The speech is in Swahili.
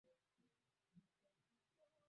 na upungufu wake Waturuki wana mithali mbaya